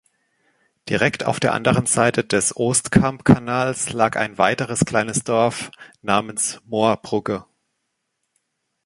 Direkt auf der anderen Seite des Oostkamp-Kanals lag ein weiteres kleines Dorf namens Moerbrugge.